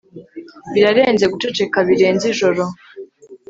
Birarenze guceceka birenze ijoro